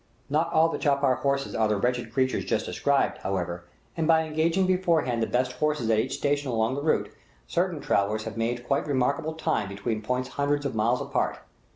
Not all the chapar horses are the wretched creatures just described, however, and by engaging beforehand the best horses at each station along the route, certain travellers have made quite remarkable time between points hundreds of miles apart.